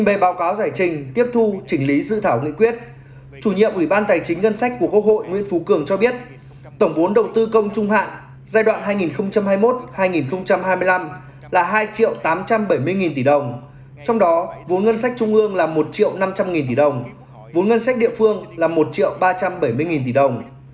về báo cáo giải trình tiếp thu chỉnh lý dự thảo nghị quyết chủ nhiệm ủy ban tài chính ngân sách của quốc hội nguyễn phú cường cho biết tổng vốn đầu tư công trung hạn giai đoạn hai nghìn hai mươi một hai nghìn hai mươi năm là hai tám trăm bảy mươi tỷ đồng trong đó vốn ngân sách trung ương là một năm trăm linh tỷ đồng vốn ngân sách địa phương là một ba trăm bảy mươi tỷ đồng